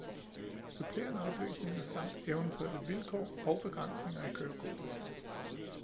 Supplerende oplysninger samt eventuelle vilkår og begrænsninger i kørekortet